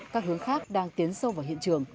các hướng khác đang tiến sâu vào hiện trường